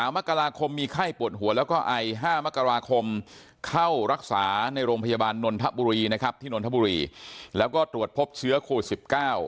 มกราคมมีไข้ปวดหัวแล้วก็ไอ๕มกราคมเข้ารักษาในโรงพยาบาลนนทบุรีนะครับที่นนทบุรีแล้วก็ตรวจพบเชื้อโควิด๑๙